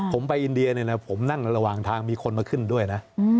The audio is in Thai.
ผมไปอินเดียเนี่ยนะผมนั่งระหว่างทางมีคนมาขึ้นด้วยนะ